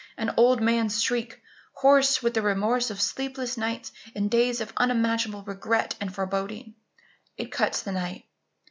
An old man's shriek, hoarse with the remorse of sleepless nights and days of unimaginable regret and foreboding! It cuts the night.